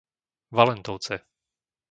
Valentovce